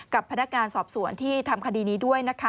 กับพนักงานสอบสวนที่ทำคดีนี้ด้วยนะคะ